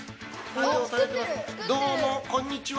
どうもこんにちは。